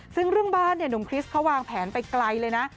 ซึ่งเรื่องบ้านเนี่ยหนุ่มคริสเขาวางแผนไปไกลเลยนะ